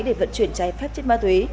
để vận chuyển trái phép trên ma túy